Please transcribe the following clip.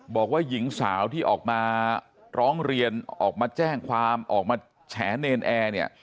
บอกว่าหญิงสาวที่ออกมาร้องเรียนออกมาแจ้งความออกมาแฉเนรนแอร์เนี่ย